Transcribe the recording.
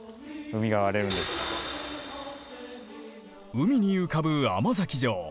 海に浮かぶ甘崎城。